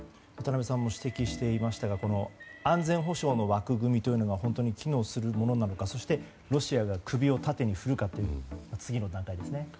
渡辺さんも指摘していましたが安全保障の枠組みというのが本当に機能するものなのかそしてロシアが首を縦に振るかという次の段階ですね。